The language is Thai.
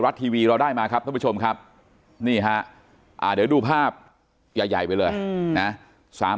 ทีวีเราได้มาครับท่านผู้ชมครับนี่ฮะเดี๋ยวดูภาพใหญ่ไปเลยนะ